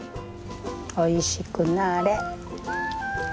おいしくなれ。